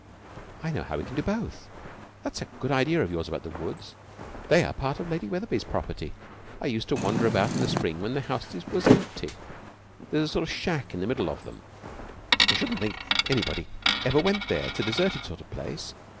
'I know how we can do both. That's a good idea of yours about the woods. They are part of Lady Wetherby's property. I used to wander about there in the spring when the house was empty. There's a sort of shack in the middle of them. I shouldn't think anybody ever went there it's a deserted sort of place.